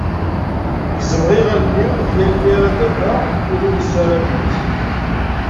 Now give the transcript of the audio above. Gezzmeɣ iɣallen-iw yal mi ara d-afeɣ ul-iw yessaram-itt.